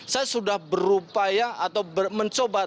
saya sudah berupaya atau mencoba